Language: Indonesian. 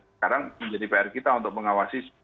sekarang menjadi pr kita untuk mengawasi